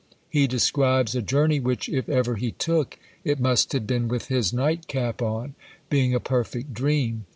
He describes a journey, which, if ever he took, it must have been with his night cap on; being a perfect dream!